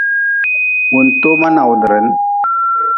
Wuntoma nawdrin.